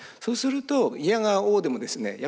そうするといやがおうでもですね